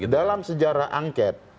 dalam sejarah angket